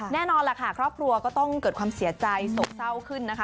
แน่นอนล่ะค่ะครอบครัวก็ต้องเกิดความเสียใจโศกเศร้าขึ้นนะคะ